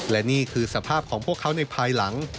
และนี่คือสภาพของพวกเขาในภายหลัง